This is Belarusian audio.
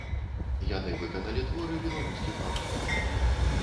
Яны выканалі творы беларускіх аўтараў.